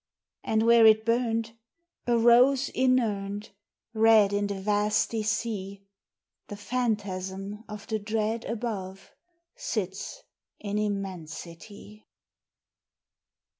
And where it burned, a rose inurned, Red in the vasty sea, The phantasm of the dread above Sits in immensity.